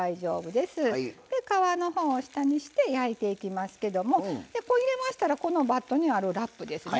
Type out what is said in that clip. で皮のほうを下にして焼いていきますけどもこう入れましたらこのバットにあるラップですね。